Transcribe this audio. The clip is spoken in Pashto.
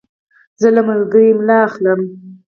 زه له ملګري املا اخلم.